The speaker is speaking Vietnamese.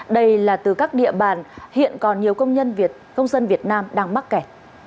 đây là từ các địa bàn hiện còn nhiều công dân việt nam đang mắc kẻ